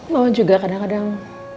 mama juga kadang kadang